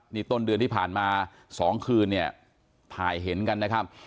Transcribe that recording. นี่ต้นเดือนที่ผ่านมา๒คืนเนี่ยถ่ายเห็นกันนะครับ